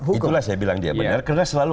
itulah saya bilang dia benar karena selalu